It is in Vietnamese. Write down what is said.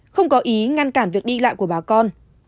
không có ý ngăn cản việc đi lại của bà con